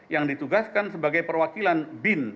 yang ditugaskan sebagai perwakilan